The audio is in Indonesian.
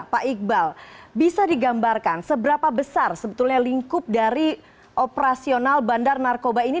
pak iqbal bisa digambarkan seberapa besar sebetulnya lingkup dari operasional bandar narkoba ini